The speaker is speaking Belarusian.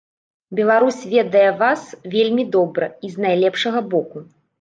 Беларусь ведае вас вельмі добра і з найлепшага боку.